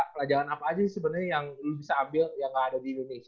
pelajaran apa aja sih sebenernya yang lu bisa ambil yang ga ada di indonesia